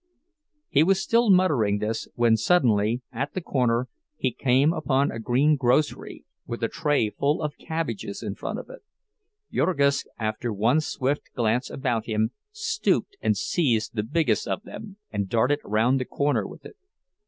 He was still muttering this when suddenly, at the corner, he came upon a green grocery, with a tray full of cabbages in front of it. Jurgis, after one swift glance about him, stooped and seized the biggest of them, and darted round the corner with it.